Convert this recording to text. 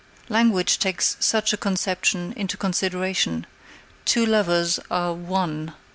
Language takes such a conception into consideration: two lovers are "one."